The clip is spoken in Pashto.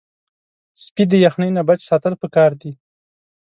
سپي د یخنۍ نه بچ ساتل پکار دي.